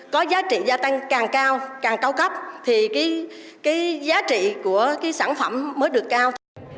có giá trị gia tăng càng cao càng cao cấp thì cái giá trị của cái sản phẩm mới được cao